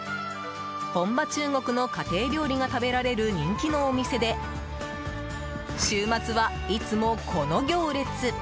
本場・中国の家庭料理が食べられる人気のお店で週末は、いつもこの行列。